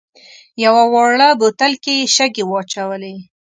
یوه واړه بوتل کې یې شګې واچولې.